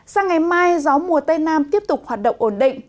sang ngày mai gió mùa tây nam tiếp tục hoạt động ổn định